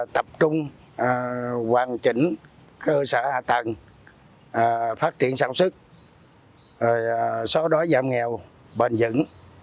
tập trung hoàn chỉnh cơ sở hạ tầng phát triển sản xuất xóa đói giảm nghèo bền dững